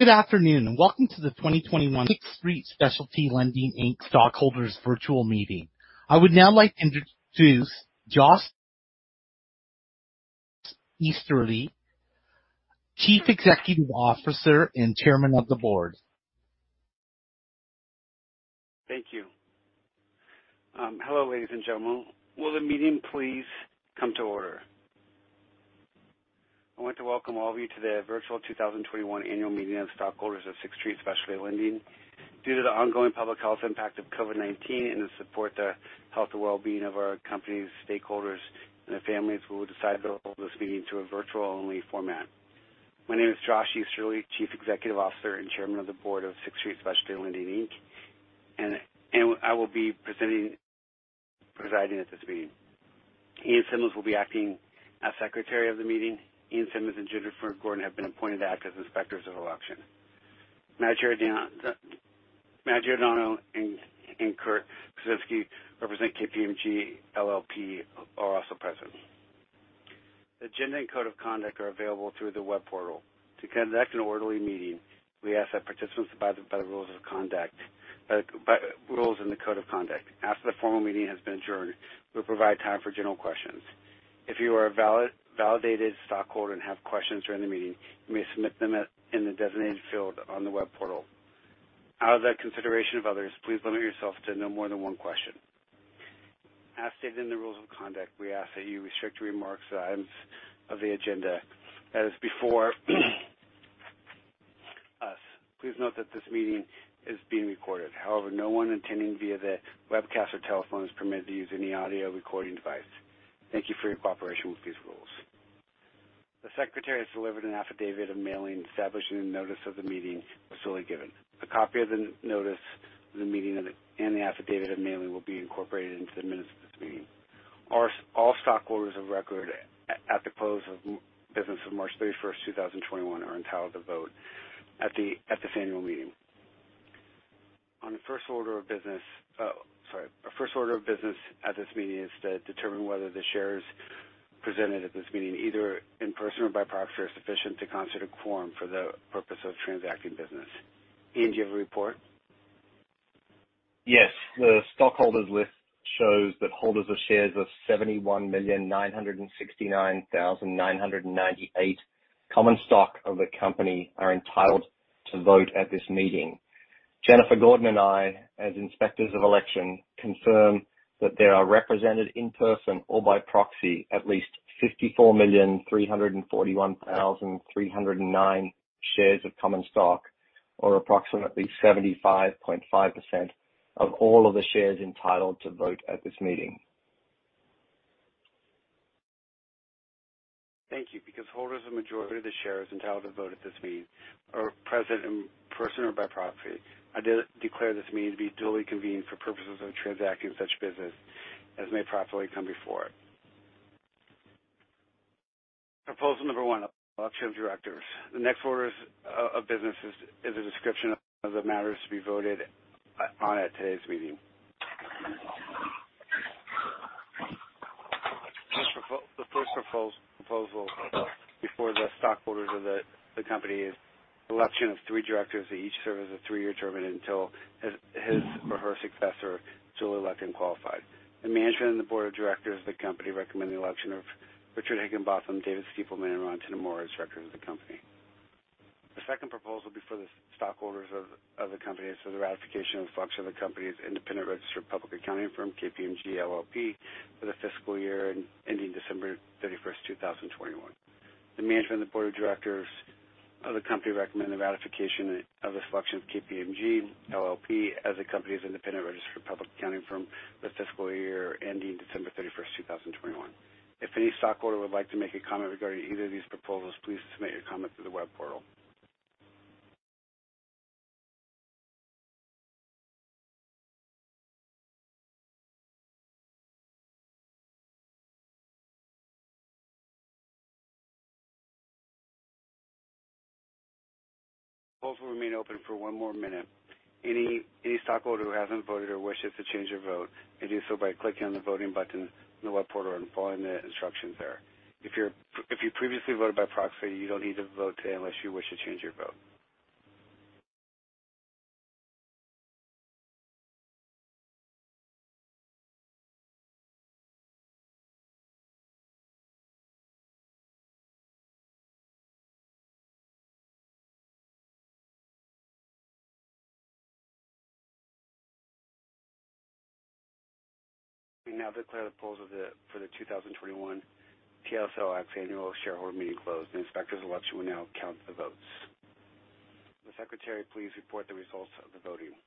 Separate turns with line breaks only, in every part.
Good afternoon, and welcome to the 2021 Sixth Street Specialty Lending, Inc. Stockholders Virtual Meeting. I would now like to introduce Joshua Easterly, Chief Executive Officer and Chairman of the Board.
Thank you. Hello, ladies and gentlemen. Will the meeting please come to order? I want to welcome all of you to the Virtual 2021 Annual Meeting of Stockholders of Sixth Street Specialty Lending. Due to the ongoing public health impact of COVID-19 and the support to health and well-being of our company stakeholders and their families, we will decide to hold this meeting to a virtual-only format. My name is Josh Easterly, Chief Executive Officer and Chairman of the Board of Sixth Street Specialty Lending, Inc. I will be presiding at this meeting. Ian Simmonds will be acting as Secretary of the meeting. Ian Simmonds and Jennifer Gordon have been appointed to act as Inspectors of election. Matt Giordano and Kurt Krushenski represent KPMG LLP, are also present. The agenda and code of conduct are available through the web portal. To conduct an orderly meeting, we ask that participants abide by the rules of the conduct—rules in code of conduct. After the formal meeting has been adjourned, we will provide time for general questions. If you are a validated stockholder and have questions during the meeting, you may submit them in the designated field on the web portal. Out of consideration of others, please limit yourself to no more than one question. As stated in the rules of conduct, we ask that you restrict remarks to items of the agenda as before us. Please note that this meeting is being recorded. No one attending via the webcast or telephone is permitted to use any audio recording device. Thank you for your cooperation with these rules. The Secretary has delivered an affidavit of mailing establishing the notice of the meeting was solely given. The copy of the notice of the meeting and the affidavit of mailing will be incorporated into the minutes of this meeting. All stockholders of record at the close of business on March 31st, 2021, are entitled to vote at this annual meeting. On our first order of business, sorry, our first order of business at this meeting is to determine whether the shares presented at this meeting, either in person or by proxy, are sufficient to constitute a quorum for the purpose of transacting business. Ian, do you have a report?
Yes. The stockholders list shows that holders of shares of 71,969,998 common stock of the company are entitled to vote at this meeting. Jennifer Gordon and I, as Inspectors of Election, confirm that there are represented in person or by proxy at least 54,341,309 shares of common stock, or approximately 75.5% of all of the shares entitled to vote at this meeting.
Thank you. Because holders of majority of the shares entitled to vote at this meeting are present in person or by proxy, I declare this meeting to be duly convened for purposes of transacting such business as may properly come before it. Proposal number one, Election of Directors. The next order of business is a description of the matters to be voted on at today's meeting. The first proposal before the stockholders of the company is the election of three Directors that each serve as a three-year term until his or her successor is duly elected and qualified. The management and the Board of Directors of the company recommend the election of Richard Higginbotham, David Stiepleman, and Ron Tanemura as Directors of the company. The second proposal before the stockholders of the company is for the ratification of selection of the company's independent registered public accounting firm, KPMG LLP, for the fiscal year ending December 31st, 2021. The management and Board of Directors of the company recommend the ratification of the selection of KPMG LLP as the company's independent registered public accounting firm for the fiscal year ending December 31st, 2021. If any stockholder would like to make a comment regarding either of these proposals, please submit your comment through the web portal. Polls will remain open for one more minute. Any stockholder who hasn't voted or wishes to change their vote may do so by clicking on the voting button in the web portal and following the instructions there. If you previously voted by proxy, you don't need to vote today unless you wish to change your vote. We now declare the polls for the 2021 TSLX Annual Shareholder Meeting closed. The inspectors of election will now count the votes. Will the secretary please report the results of the voting?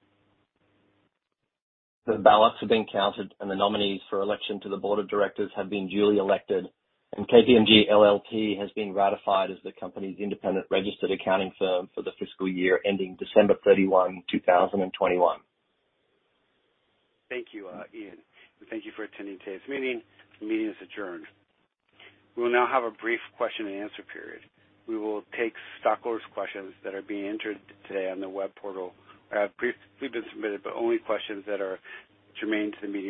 The ballots have been counted, and the nominees for election to the Board of Directors have been duly elected, and KPMG LLP has been ratified as the company's independent registered accounting firm for the fiscal year ending December 31, 2021.
Thank you, Ian. Thank you for attending today's meeting. The meeting is adjourned. We will now have a brief question and answer period. We will take stockholders' questions that are being entered today on the web portal or have previously been submitted, only questions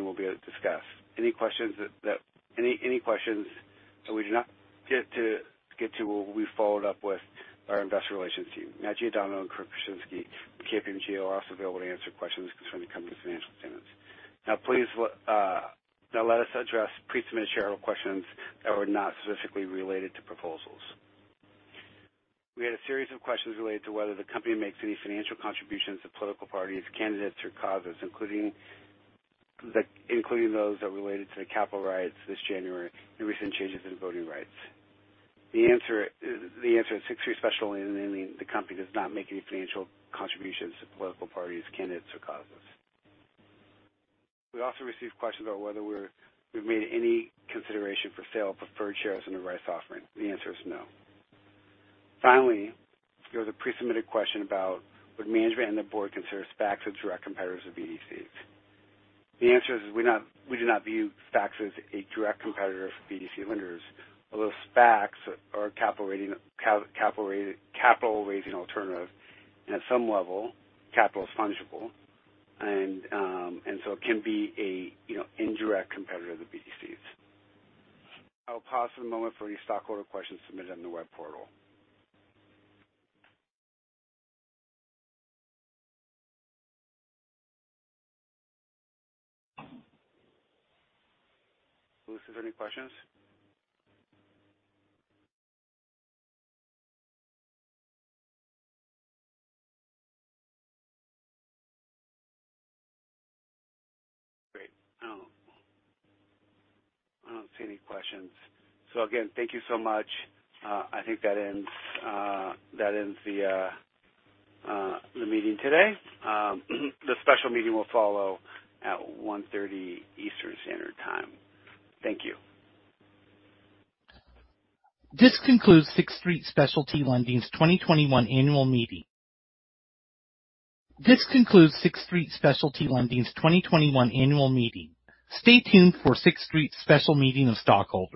we'll be able to discuss. Any questions that we do not get to will be followed up with by our investor relations team. Matthew O'Donnell and Kirk Kuczynski from KPMG will also be able to answer questions concerning the company's financial statements. Let us address pre-submitted shareholder questions that were not specifically related to proposals. We had a series of questions related to whether the company makes any financial contributions to political parties, candidates, or causes, including those that related to the Capitol riot this January, and recent changes in voting rights. The answer is Sixth Street Specialty Lending, the company does not make any financial contributions to political parties, candidates, or causes. We also received questions about whether we've made any consideration for sale of preferred shares in the rights offering. The answer is no. Finally, there's a pre-submitted question about would management and the board consider SPACs as direct competitors of BDCs? The answer is we do not view SPACs as a direct competitor of BDC lenders, although SPACs are a capital-raising alternative at some level. Capital is fungible. It can be an indirect competitor to BDCs. I'll pause a moment for any stockholder questions submitted on the web portal. Lucy, any questions? Great. I don't see any questions. Again, thank you so much. I think that ends the meeting today. The special meeting will follow at 1:30 Eastern Standard Time. Thank you.
This concludes Sixth Street Specialty Lending's 2021 annual meeting. Stay tuned for Sixth Street special meeting of stockholders.